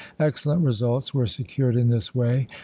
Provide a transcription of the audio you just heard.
Excellent results were secured in this way.